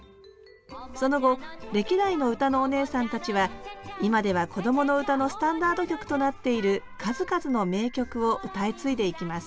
その後歴代の歌のお姉さんたちは今ではこどもの歌のスタンダード曲となっている数々の名曲を歌い継いでいきます